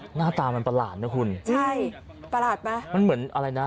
หน้าตามันประหลาดนะคุณใช่ประหลาดไหมมันเหมือนอะไรนะ